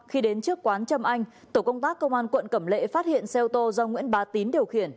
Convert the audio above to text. khi đến trước quán trâm anh tổ công tác công an quận cẩm lệ phát hiện xe ô tô do nguyễn bá tín điều khiển